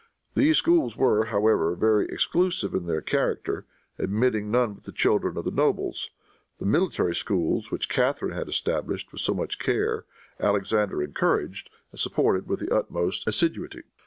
These schools were, however, very exclusive in their character, admitting none but the children of the nobles. The military schools which Catharine had established, with so much care, Alexander encouraged and supported with the utmost assiduity.